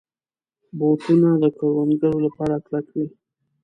بوټونه د کروندګرو لپاره کلک وي.